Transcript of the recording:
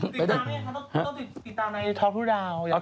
ติดตามเนี่ยต้องติดตามในท็อกทูลดาว